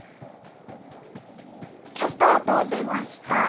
キャスターと出ました。